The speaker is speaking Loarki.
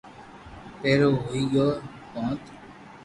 ڀیرون ھوئي گیونھ